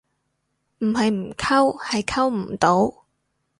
唔係唔溝，係溝唔到